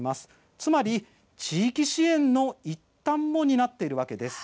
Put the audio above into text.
つまり地域支援の一端も担っているわけです。